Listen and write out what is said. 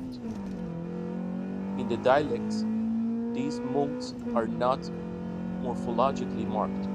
In the dialects, these moods are not morphologically marked.